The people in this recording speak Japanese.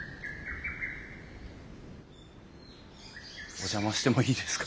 お邪魔してもいいですか？